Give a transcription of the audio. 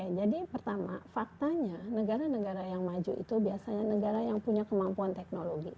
jadi pertama faktanya negara negara yang maju itu biasanya negara yang punya kemampuan teknologi